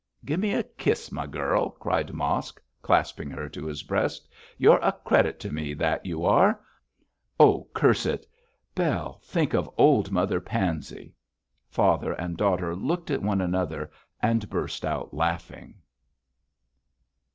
'Give me a kiss, my girl,' cried Mosk, clasping her to his breast, 'You're a credit to me, that you are. Oh, curse it! Bell, think of old Mother Pansey!' Father and daughter looked at one another and burst out laughing.